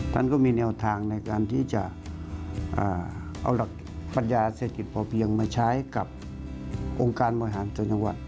ท่านก็มีแนวทางในการที่จะเอาหลักปัญญาเศรษฐกิจพอเพียงมาใช้กับองค์การบริหารส่วนจังหวัด